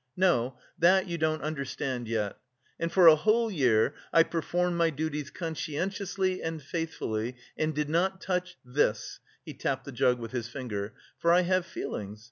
No, that you don't understand yet.... And for a whole year, I performed my duties conscientiously and faithfully, and did not touch this" (he tapped the jug with his finger), "for I have feelings.